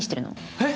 えっ！